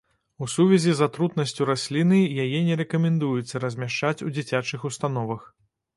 У сувязі з атрутнасцю расліны яе не рэкамендуецца размяшчаць у дзіцячых установах.